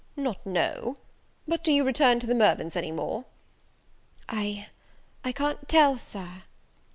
"Not know! But do you return to the Mirvans any more?" "I I can't tell, Sir."